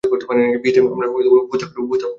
বিয়েতে আমরা উপস্থাপকের দায়িত্বে থাকবো।